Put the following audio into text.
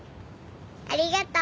ありがとう。